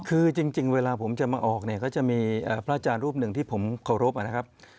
คือจริงเวลาผมจะมาออกเนี่ยก็จะมีพระอาจารย์รูปหนึ่งที่ผมเคารพนะครับ